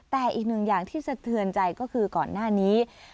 แต่อีกหนึ่งอย่างที่สะเทือนใจก็คือก่อนหน้านี้